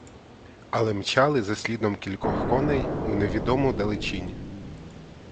Але мчали за слідом кількох коней у невідому далечінь.